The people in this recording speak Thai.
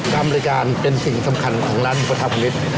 การอะไรการเป็นสิ่งสำคัญของร้านมีประธาปมันวิทย์